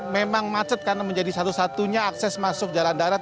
memang macet karena menjadi satu satunya akses masuk jalan darat